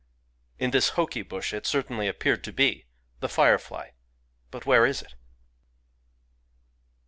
In this hoki bush it certainly appeared to be, — the fire fly ![ but where is it